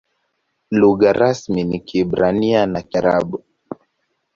Lugha rasmi ni Kiebrania na Kiarabu.